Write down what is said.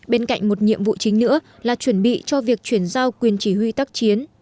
bên cạnh một nhiệm vụ chính nữa là chuẩn bị cho việc chuyển giao quyền chỉ huy tác chiến